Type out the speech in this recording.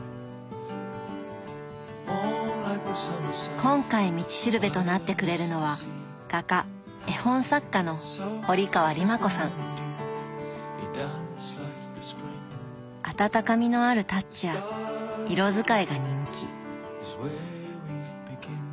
今回「道しるべ」となってくれるのはあたたかみのあるタッチや色使いが人気。